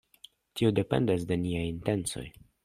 Tio dependas de niaj intencoj.